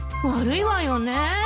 悪いわよねぇ。